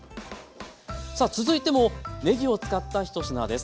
さあ続いてもねぎを使った１品です。